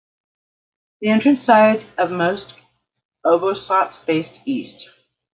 The entrance side of most ubosots face east.